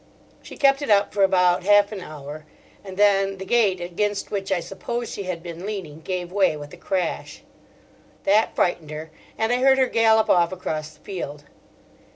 She kept it up for about half an hour, and then the gate against which, I suppose, she had been leaning, gave way with a crash. That frightened her, and I heard her gallop off across the field.